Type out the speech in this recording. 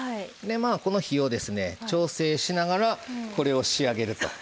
この火を調整しながら仕上げると。